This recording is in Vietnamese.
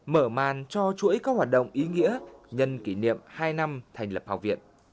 mở màn cho chuỗi các hoạt động ý nghĩa nhân kỷ niệm hai năm thành lập học viện